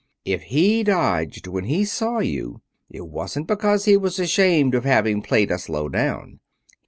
If he dodged when he saw you it wasn't because he was ashamed of having played us low down.